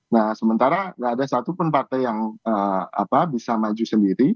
nah sementara nggak ada satupun partai yang bisa maju sendiri